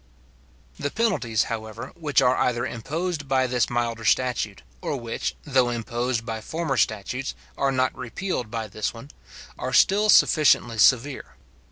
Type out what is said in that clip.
The penalties, however, which are either imposed by this milder statute, or which, though imposed by former statutes, are not repealed by this one, are still sufficiently severe.